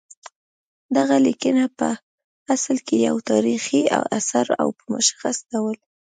دغه لیکنه پع اصل کې یو تاریخي اثر او په مشخص ډول